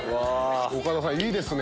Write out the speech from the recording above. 岡田さんいいですね！